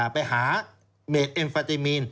ไปหาเมธเอมฟาตาลีมีน